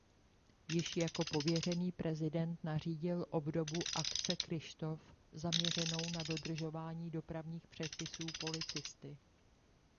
Již jako pověřený prezident nařídil obdobu "Akce Kryštof" zaměřenou na dodržování dopravních předpisů policisty.